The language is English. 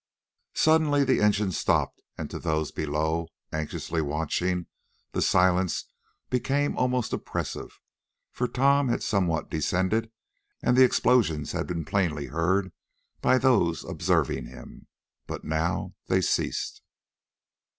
Suddenly the engine stopped, and to those below, anxiously watching, the silence became almost oppressive, for Tom had somewhat descended, and the explosions had been plainly heard by those observing him. But now they ceased!